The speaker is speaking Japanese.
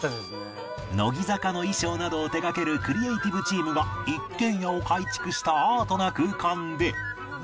乃木坂の衣装などを手掛けるクリエーティブチームが一軒家を改築したアートな空間で